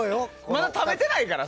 まだ食べてないから。